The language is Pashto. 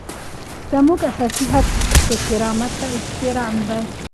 زموږ اساسي حق د کرامت او احترام دی.